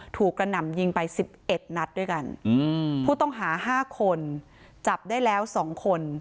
กระหน่ำยิงไป๑๑นัดด้วยกันผู้ต้องหา๕คนจับได้แล้ว๒คน